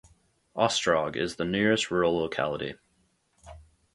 Ostrog is the nearest rural locality.